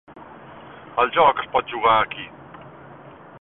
El joc es pot jugar aquí.